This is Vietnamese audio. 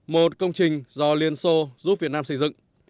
một công trình do liên xô giúp việt nam xây dựng